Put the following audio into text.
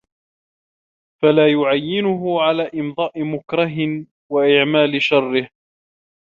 فَلَا يُعِينُهُ عَلَى إمْضَاءِ مَكْرِهِ ، وَإِعْمَالِ شَرِّهِ